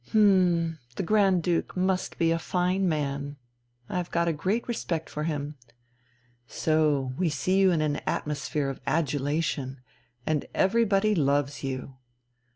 "H'm, the Grand Duke must be a fine man: I've got a great respect for him. So we see you in an atmosphere of adulation, and everybody loves you